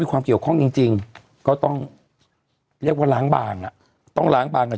ความเกี่ยวข้องจริงจริงก็ต้องเรียกว่าล้างบางอ่ะต้องล้างบางกัน